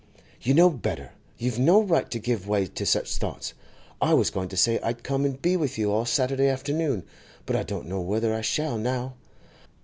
'You know better, and you've no right to give way to such thoughts. I was going to say I'd come and be with you all Saturday afternoon, but I don't know whether I shall now.